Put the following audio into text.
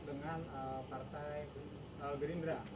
dengan partai gerindra